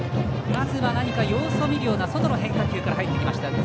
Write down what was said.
まず何か様子を見るような外の変化球から入ってきました。